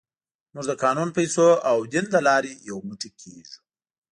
موږ د قانون، پیسو او دین له لارې یو موټی کېږو.